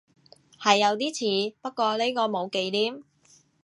係有啲似，不過呢個冇忌廉